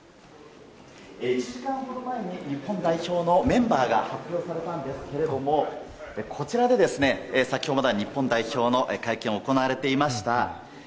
１時間ほど前に日本代表のメンバーが発表されたんですけれどもこちらで、先ほどまで日本代表の会見が行われていました。